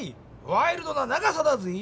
ワイルドな長さだぜぇ！